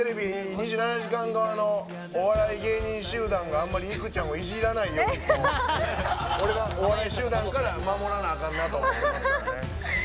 ２７時間のお笑い芸人集団があんまりいくちゃんをいじらないように俺がお笑い集団から守らなあかんと思ってますからね。